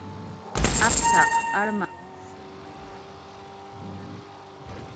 Apsaq armaq shumay jalrus nuratna